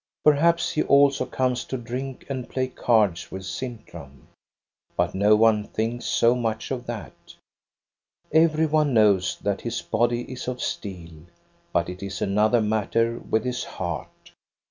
Perhaps he also comes to drink and play cards with Sintram ; but no one thinks so much of that ; every one knows that his body is of steel ; but it is another matter with his heart.